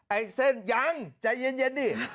ไอ้เส้นยังใจเย็นดิ